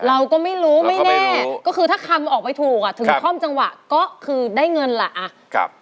เราก็ไม่รู้ไม่แน่ก็คือถ้าคำออกไปถูกอ่ะถึงคล่อมจังหวะก็คือได้เงินล่ะ